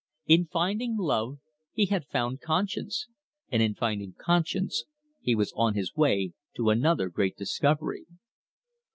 In finding love he had found conscience, and in finding conscience he was on his way to another great discovery.